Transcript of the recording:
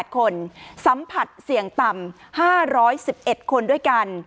๘คนสัมผัสเสี่ยงต่ำ๕๑๑คนด้วยกัน